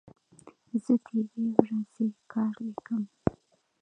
زه د یوې ورځې کار لیکم.